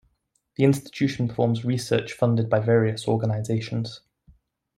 The institution performs research funded by various organizations.